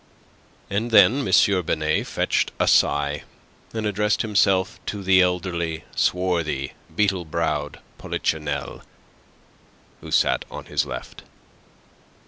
And then M. Binet fetched a sigh, and addressed himself to the elderly, swarthy, beetle browed Polichinelle, who sat on his left.